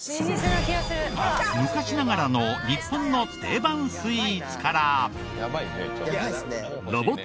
昔ながらの日本の定番スイーツから。